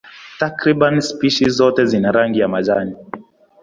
Takriban spishi zote zina rangi ya majani.